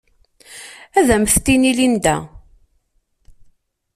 Ad am-t-tini Linda.